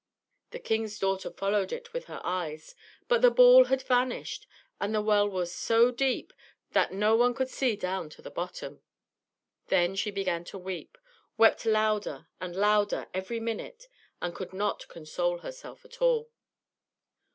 The king's daughter followed it with her eyes, but the ball had vanished, and the well was so deep that no one could see down to the bottom. Then she began to weep, wept louder and louder every minute, and could not console herself at all.